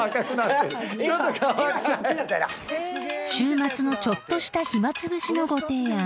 ［週末のちょっとした暇つぶしのご提案］